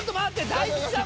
大吉さん